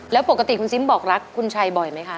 แล้วปกติคุณซิมบอกรักคุณชัยบ่อยไหมคะ